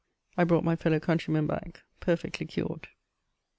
I brought my fellow countryman back perfectly cured.